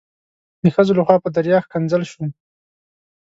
د ښځو لخوا په دریا ښکنځل شوم.